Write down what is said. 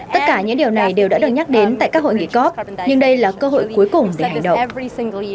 tất cả những điều này đều đã được nhắc đến tại các hội nghị cop nhưng đây là cơ hội cuối cùng để hành động